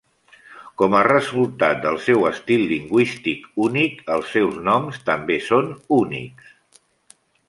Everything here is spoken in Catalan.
Com a resultat del seu estil lingüístic únic, els seus noms també són únics.